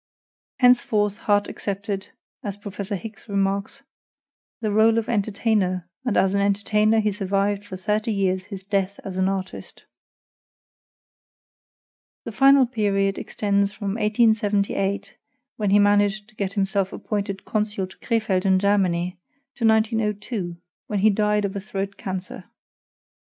Henceforth Harte accepted, as Prof. Hicks remarks, "the role of entertainer, and as an entertainer he survived for thirty years his death as an artist." The final period extends from 1878, when he managed to get himself appointed consul to Crefeld in Germany, to 1902, when he died of a throat cancer.